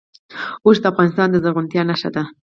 اوښ د افغانستان د زرغونتیا نښه ده.